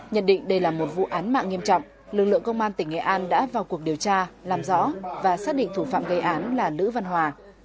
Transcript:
nhận định đây là một vụ án mạng nghiêm trọng lực lượng công an tỉnh nghệ an đã vào cuộc điều tra làm rõ và xác định thủ phạm gây án là nữ văn hòa